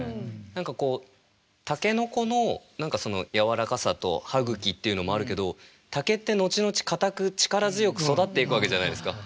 何かこう竹の子のやわらかさと歯ぐきっていうのもあるけど竹って後々かたく力強く育っていくわけじゃないですか。